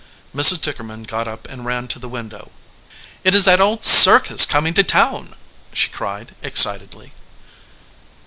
Mrs. Dickerman got up and ran to the window. "It is that old circus coming to town!" she cried, excitedly.